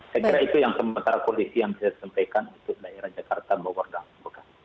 saya kira itu yang sementara kondisi yang saya sampaikan untuk daerah jakarta dan bogor